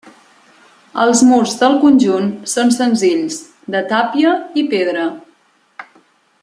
Els murs del conjunt són senzills, de tàpia i pedra.